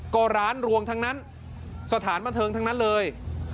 ก็ร้านรวงทั้งนั้นสถานบันเทิงทั้งนั้นเลย